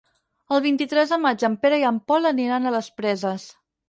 El vint-i-tres de maig en Pere i en Pol aniran a les Preses.